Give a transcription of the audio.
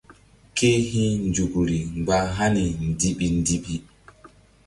Ke hi̧ nzukri mgba hani ndiɓi ndiɓi.